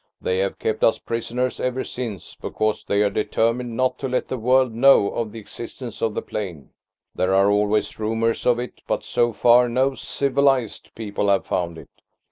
They have kept us prisoners ever since, because they are determined not to let the world know of the existence of the plain. There are always rumours of it, but so far no 'civilised' people have found it.